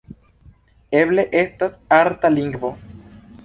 Eble estas arta lingvo.